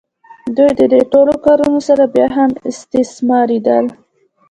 دوی د دې ټولو کارونو سره بیا هم استثماریدل.